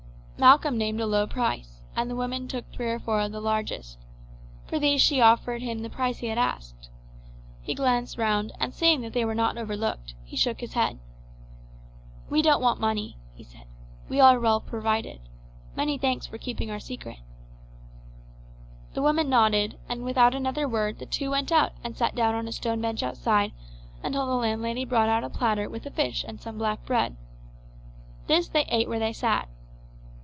Malcolm named a low price, and the woman took three or four of the largest. For these she offered him the price he had asked. He glanced round, and seeing that they were not overlooked, he shook his head. "We don't want money," he said. "We are well provided. Many thanks for keeping our secret." The woman nodded, and without another word the two went out and sat down on a stone bench outside until the landlady brought out a platter with a fish and some black bread. This they ate where they sat.